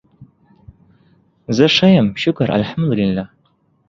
زه ښه یم شکر الحمدالله